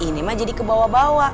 ini mah jadi kebawa bawa